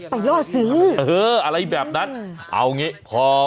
ล่อซื้อเอออะไรแบบนั้นเอางี้พอ